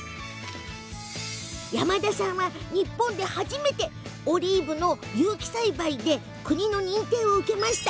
山田さんは、日本で初めてオリーブの有機栽培で国の認定を受けました。